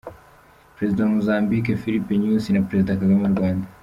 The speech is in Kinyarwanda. Perezida wa Mozambique, Filipe Nyusi na Perezida Kagame w’u Rwanda